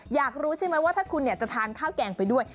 อยากรู้ใช่ไหมว่าถ้าคุณจะทานข้าวแกงไปด้วย